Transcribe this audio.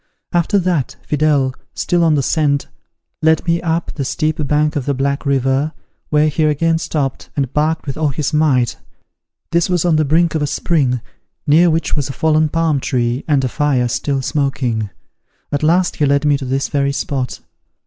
After that, Fidele, still on the scent, led me up the steep bank of the Black River, where he again stopped, and barked with all his might. This was on the brink of a spring, near which was a fallen palm tree, and a fire, still smoking. At last he led me to this very spot.